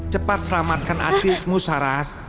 cepat selamatkan adikmu saras